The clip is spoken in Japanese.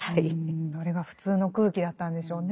それが普通の空気だったんでしょうね。